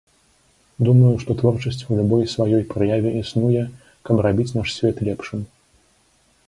Думаю, што творчасць у любой сваёй праяве існуе, каб рабіць наш свет лепшым.